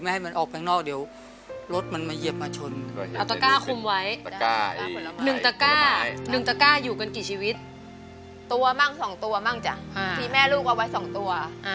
บางพอนทองก็คือเหี่ยของเรานั่นเองนะคะเหี่ยก็หิว